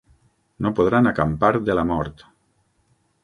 No podran acampar de la mort.